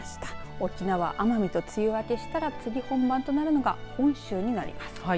沖縄、奄美と梅雨明けしたら梅雨本番となるのは本州になります。